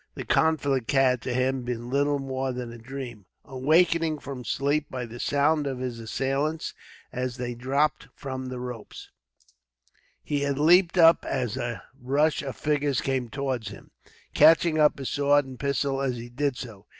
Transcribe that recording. The conflict had, to him, been little more than a dream. Awakened from sleep by the sound of his assailants, as they dropped from the ropes, he had leaped up as a rush of figures came towards him, catching up his sword and pistol as he did so.